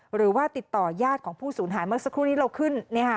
หรือว่าติดต่อยาดของผู้สูญหายเมื่อสักครู่นี้เราขึ้น